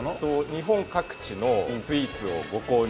日本各地のスイーツをご購入